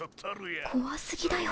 怖過ぎだよ